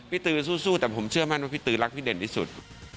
ตือสู้แต่ผมเชื่อมั่นว่าพี่ตือรักพี่เด่นที่สุด